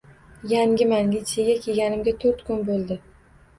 Yangiman. Litseyga kelganimga toʻrt kun boʻldi.